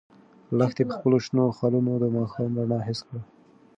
لښتې په خپلو شنو خالونو د ماښام رڼا حس کړه.